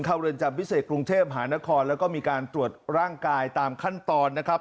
เรือนจำพิเศษกรุงเทพหานครแล้วก็มีการตรวจร่างกายตามขั้นตอนนะครับ